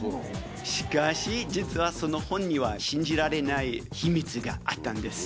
しかし、実はその本には、信じられない秘密があったんです。